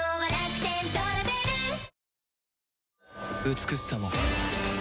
美しさも